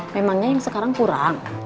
memangnya yang sekarang kurang